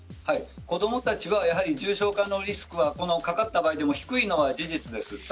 子供たちは重症化のリスクはかかった場合でも低いのは事実です。